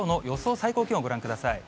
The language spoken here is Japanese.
最高気温、ご覧ください。